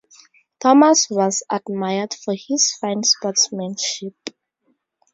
Thomas was admired for his fine sportsmanship.